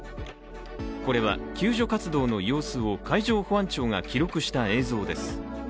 これは、救助活動の様子を海上保安庁が記録した映像です。